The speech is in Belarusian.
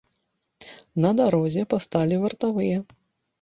На дарозе пасталі вартавыя.